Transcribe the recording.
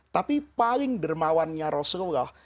tapi paling dermawannya rasulullah